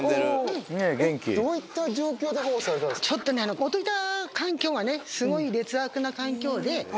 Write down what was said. どういった状況で保護されたちょっとね、もといた環境がね、すごい劣悪な環境で。